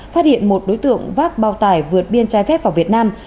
phát hiện một đối tượng vác bao tải vượt biên trái phép vào việt nam